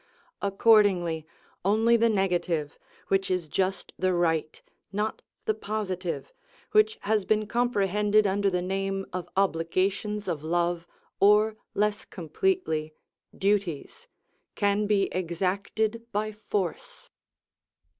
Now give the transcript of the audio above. Accordingly only the negative, which is just the right, not the positive, which has been comprehended under the name of obligations of love, or, less completely, duties, can be exacted by force.